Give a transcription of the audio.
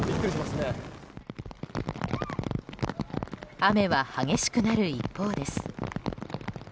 雨は激しくなる一方です。